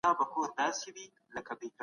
وخت په چټکۍ تيريږي.